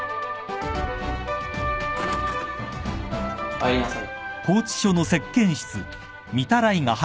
入りなさい。